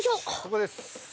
ここです。